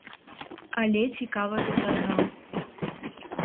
Але цікава тут адно.